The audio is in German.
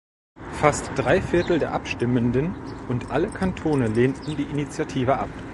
Fast drei Viertel der Abstimmenden und alle Kantone lehnten die Initiative ab.